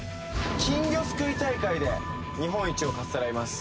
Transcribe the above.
金魚すくい大会で日本一をかっさらいます